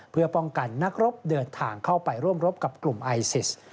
เพื่อป้องกันนักรบเดินทางเข้าไปร่วมรบกับกลุ่มไอซิส